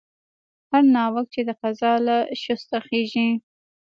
هر ناوک چې د قضا له شسته خېژي.